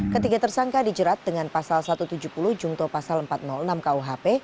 ketiga tersangka dijerat dengan pasal satu ratus tujuh puluh jungto pasal empat ratus enam kuhp